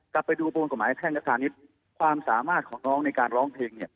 กลับไปดูบวนกฎหมายแพ่งและพาณิชย์ความสามารถของน้องในการร้องเพลงเนี่ย